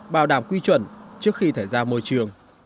bảo đảm quy chuẩn trước khi thải ra môi trường